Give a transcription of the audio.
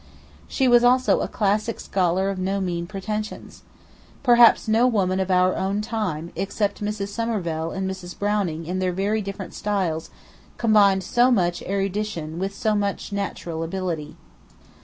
She was also a classic scholar of no mean pretensions. Perhaps no woman of our own time, except Mrs. Somerville and Mrs. Browning in their very different styles, combined so much erudition with so much natural ability.